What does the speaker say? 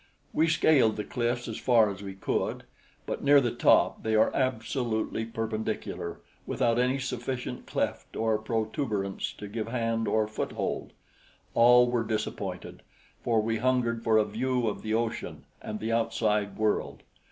We scaled the cliffs as far as we could; but near the top they are absolutely perpendicular without any sufficient cleft or protuberance to give hand or foot hold. All were disappointed, for we hungered for a view of the ocean and the outside world.